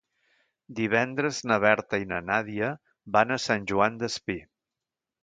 Divendres na Berta i na Nàdia van a Sant Joan Despí.